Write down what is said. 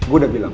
gue udah bilang